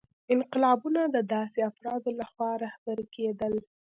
انقلابونه د داسې افرادو لخوا رهبري کېدل.